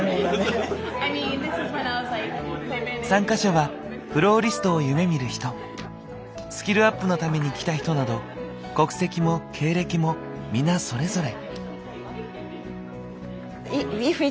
参加者はフローリストを夢みる人スキルアップのために来た人など国籍も経歴も皆それぞれ。